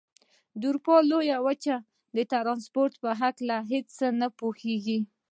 د اروپا لویې وچې د ترانسپورت په هلکه څه پوهېږئ؟